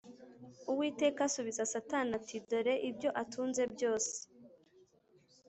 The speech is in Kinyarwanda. Uwiteka asubiza Satani ati “Dore ibyo atunze byose